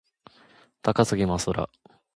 高杉真宙